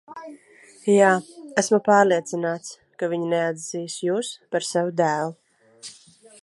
Jā, esmu pārliecināts, ka viņi neatzīs jūs par savu dēlu.